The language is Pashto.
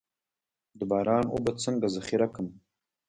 د باران اوبه څنګه ذخیره کړم؟